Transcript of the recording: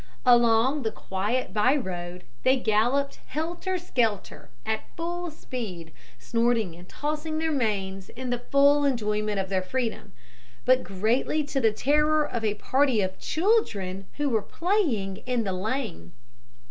Along the quiet by road they galloped helter skelter, at full speed, snorting and tossing their manes in the full enjoyment of their freedom, but greatly to the terror of a party of children who were playing in the lane.